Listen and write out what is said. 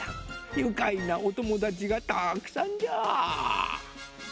ゆかいなおともだちがたくさんじゃ。